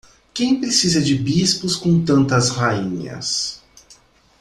Quem precisa de bispos com tantas rainhas?